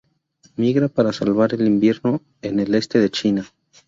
Migra para pasar el invierno en el este de China.